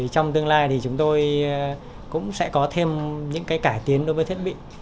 trong tương lai thì chúng tôi cũng sẽ có thêm những cải tiến đối với thiết bị